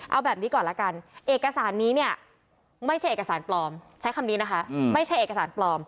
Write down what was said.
เอาแบบนี้ก่อนละกันเอกสารนี้เนี่ยไม่ใช่เอกสารปลอมใช้คำนี้นะคะไม่ใช่เอกสารปลอม